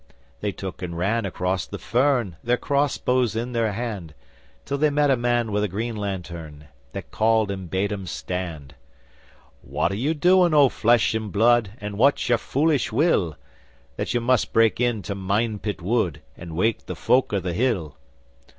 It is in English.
They took and ran across the fern, Their crossbows in their hand, Till they met a man with a green lantern That called and bade 'em stand. 'What are you doing, O Flesh and Blood, And what's your foolish will, That you must break into Minepit Wood And wake the Folk of the Hill?